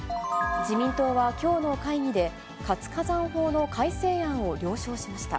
自民党はきょうの会議で、活火山法の改正案を了承しました。